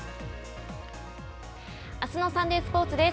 あすのサンデースポーツです。